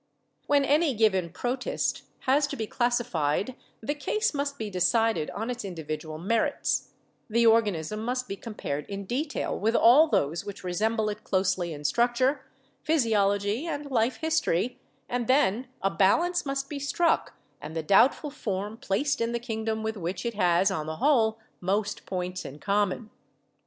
When any given 'protist' has to be classified the case must be decided on its individual merits; the organism must be compared in detail with all those which resemble it closely in structure, physiology and life history, and then a balance must be struck and the doubtful form placed in the kingdom with which it has, on the whole, most points in common.